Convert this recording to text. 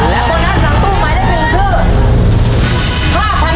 และโบนัสหลังตู้หมายเลข๑คือ